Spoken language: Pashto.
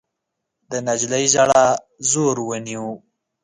د نجلۍ ژړا زور ونيو.